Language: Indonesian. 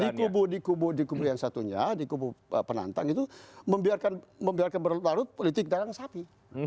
dikubu dikubu dikubu yang satunya dikubu penantang itu membiarkan membiarkan berlarut politik dagang sapi